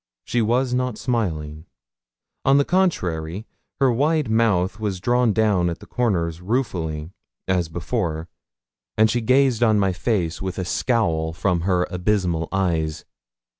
She was not smiling. On the contrary, her wide mouth was drawn down at the corners ruefully, as before, and she gazed on my face with a scowl from her abysmal eyes.